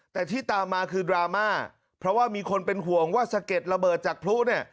แต่ที่ตามมาคือดราม่าเพราะว่ามีคนเป็นห่วงว่าสะเก็ดระเบิดจากพลุเนี่ย